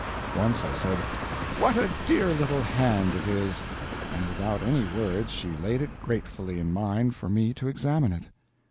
Once I said, "What a dear little hand it is!" and without any words she laid it gracefully in mine for me to examine it.